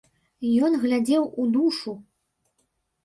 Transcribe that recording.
Ён глядзеў у душу!